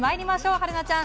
春奈ちゃん。